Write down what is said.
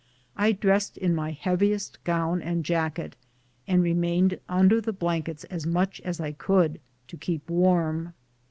1 dressed in my heaviest gown and jacket, and remained under the blankets as much as I could to keep warm.